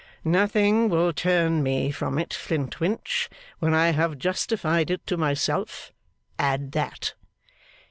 'Nothing will turn me from it, Flintwinch, when I have justified it to myself. Add that.